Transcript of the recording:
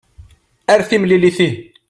Ar timlilit ihi.